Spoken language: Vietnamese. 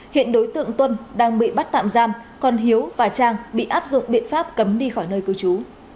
hiện đối tượng tuân đang bị bắt tạm giam còn hiếu và trang bị áp dụng biện pháp cấm đi khỏi nơi cư trú